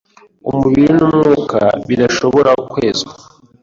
umubiri n’umwuka bidashobora kwezwa.